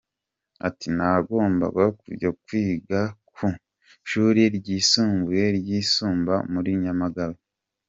Ati “Nagombaga kujya kwiga ku ishuri ryisumbuye ry’i Sumba muri Nyamagabe.